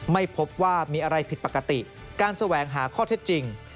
ไม่พบว่ามีอะไรผิดปกติการแสวงหาข้อเท็จจริง